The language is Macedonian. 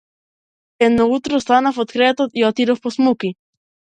Едно утро станав од креветот и отидов по смоки.